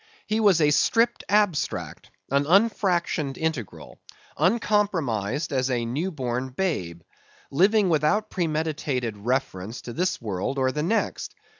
He was a stript abstract; an unfractioned integral; uncompromised as a new born babe; living without premeditated reference to this world or the next.